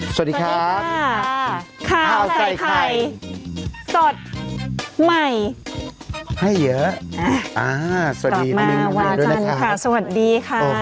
สวัสดีค่ะค่าใส่ไข่สดใหม่ให้เยอะอ่าสวัสดีครับมากครับสวัสดีค่ะ